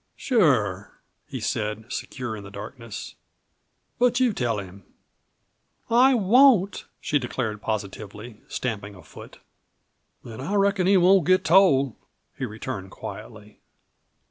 "Sure," he said, secure in the darkness, "but you tell him." "I won't!" she declared positively, stamping a foot. "Then I reckon he won't get told," he returned quietly.